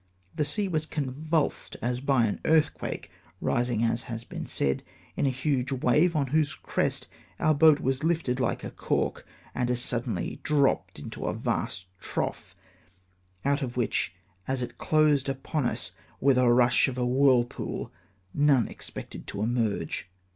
The sea was convulsed as by an earthquake, rising, as has been said, in a huge wave, on whose crest om: boat was lifted hke a cork, and as suddenly dropped into a vast trough, out of which, as it closed upon us with a rush of a whu'lpool, none expected to emerge.